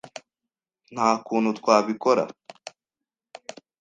Nta kuntu twabikora.